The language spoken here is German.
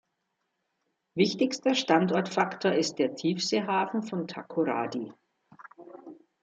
Wichtigster Standortfaktor ist der Tiefseehafen von Takoradi.